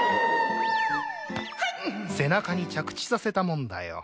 背中に着地させたもんだよ。